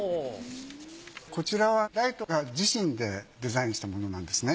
こちらはライトが自身でデザインしたものなんですね。